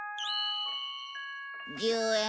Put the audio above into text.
１０円。